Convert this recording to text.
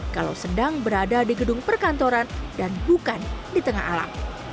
kalau sedang berada di gedung perkantoran dan bukan di tengah alam